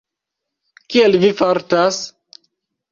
Kiel Vi fartas?